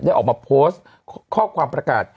ออกมาโพสต์ข้อความประกาศ